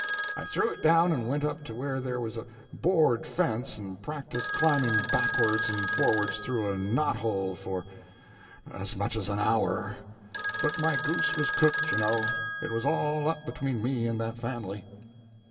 I threw it down and went up to where there was a board fence and practiced climbing backwards and forwards through a knot hole for as much as an hour. But my goose was cooked, you know. It was all up between me and that family.